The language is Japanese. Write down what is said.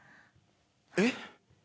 えっ？